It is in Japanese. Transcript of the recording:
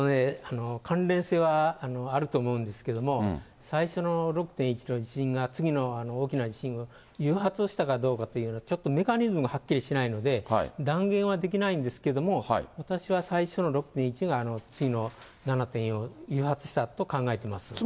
関連性はあると思うんですけれども、最初の６．１の地震が、次の大きな地震を誘発したかどうかというのは、ちょっとメカニズムがはっきりしないので、断言はできないんですけれども、私は、最初の６．１が、次の７．４を誘発したと考えてます。